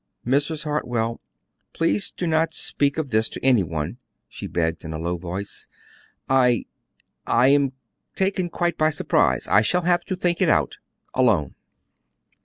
"Mrs. Hartwell, please do not speak of this to any one," she begged in a low voice. "I I am taken quite by surprise. I shall have to think it out alone."